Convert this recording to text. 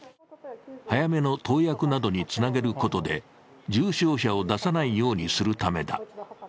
早めの投薬などにつなげることで重症者を出さないようにするためだ。